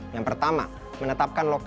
yang pertama menetapkan lokalitas